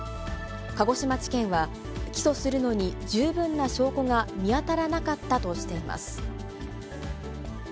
鹿児島地検は、起訴するのに十分な証拠が見当たらなかったとしています。